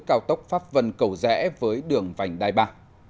cao tốc pháp vân cầu rẽ với đường vành đai ba